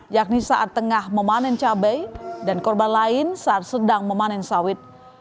yakni saat tengah memanen cabai dan korban lain saat sedang memanen sawit